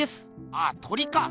ああ鳥か。